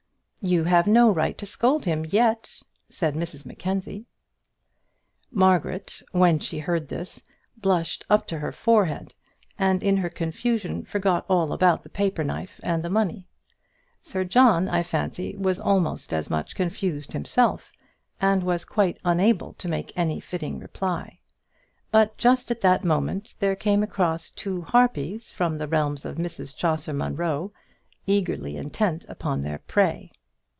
"You have no right to scold him yet," said Mrs Mackenzie. Margaret, when she heard this, blushed up to her forehead, and in her confusion forgot all about the paper knife and the money. Sir John, I fancy, was almost as much confused himself, and was quite unable to make any fitting reply. But, just at that moment, there came across two harpies from the realms of Mrs Chaucer Munro, eagerly intent upon their prey.